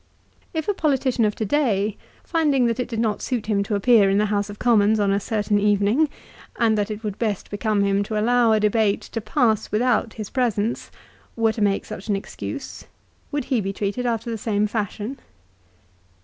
If a politician of to day, finding that it did not suit him to appear in the House of Commons on a certain evening, and that it would best become him to allow a debate to pass without his presence, were to make such an excuse, would he be treated after the same fashion